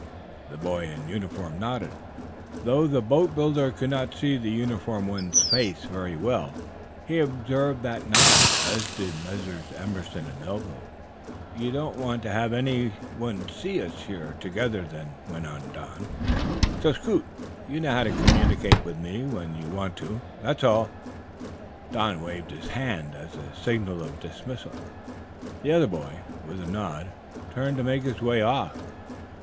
The boy in uniform nodded. Though the boatbuilder could not see the uniformed one's face very well, he observed that nod, as did also Messrs. Emerson and Melville. "You don't want to have anyone see us here together, then," went on Don. "So scoot! You know how to communicate with me when you want to. That's all." Don waved his hand as a sign of dismissal. The other boy, with a nod, turned to make his way off.